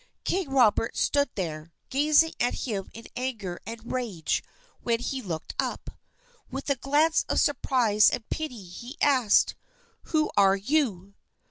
King Robert stood there, gazing at him in anger and rage when he looked up. With a glance of surprise and pity, he asked, "Who are you?"